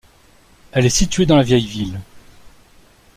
Elle est située dans la vieille ville.